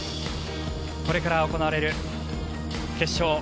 これから行われる決勝